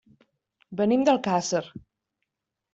Venim d'Alcàsser.